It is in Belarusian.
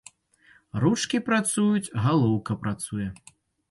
Ручкі працуюць, галоўка працуе.